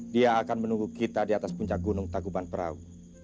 dia akan menunggu kita di atas puncak gunung taguban perahu